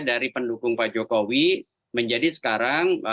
dari pendukung pak jokowi menjadi sekarang